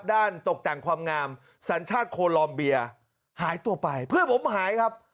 ตกแต่งความงามสัญชาติโคลอมเบียหายตัวไปเพื่อนผมหายครับ